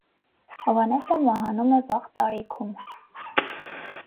Հովհաննեսը մահանում է վաղ տարիքում։